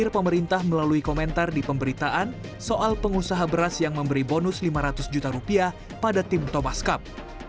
pemerintah melalui komentar di pemberitaan soal pengusaha beras yang memberi bonus lima ratus juta rupiah pada tim thomas cup